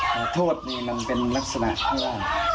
ขอโทษเป็นลักษณะมาก